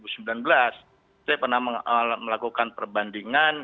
saya pernah melakukan perbandingan